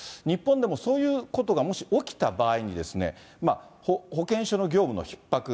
日本でもそういうことがもし起きた場合に、保健所の業務のひっ迫。